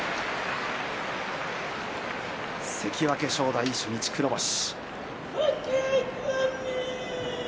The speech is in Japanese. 関脇正代、初日黒星。